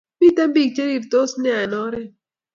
Miten pik che rirtos nea en oret